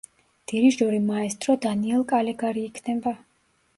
დირიჟორი მაესტრო დენიელ კალეგარი იქნება.